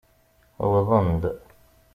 Wwḍen-d.